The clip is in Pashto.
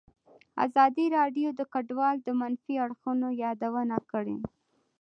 ازادي راډیو د کډوال د منفي اړخونو یادونه کړې.